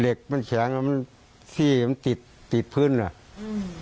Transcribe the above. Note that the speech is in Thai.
เหล็กมันแข็งมันสี่มันติดพื้นอ่ะ